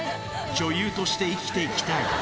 「女優として生きて行きたい」